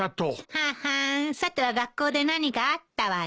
ははーんさては学校で何かあったわね。